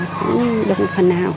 cũng được một phần nào